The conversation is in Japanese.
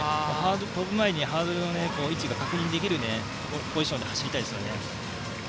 跳ぶ前にハードルの位置が確認できるポジションで走りたいですよね。